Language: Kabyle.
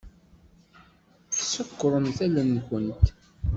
Ṣekkṛemt allen-nkent.